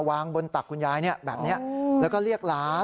วางบนตักคุณยายแบบนี้แล้วก็เรียกหลาน